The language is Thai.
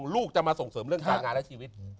ลูกจะมาส่งเสริมเรื่องการงานและชีวิต